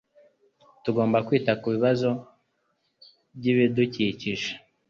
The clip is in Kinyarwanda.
Tugomba kwita kubibazo by ibidukikije.